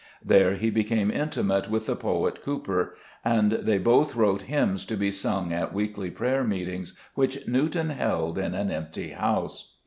There he became intimate with the poet Cowper, and they both wrote hymns to be sung at weekly prayer meetings which Newton held in an empty house.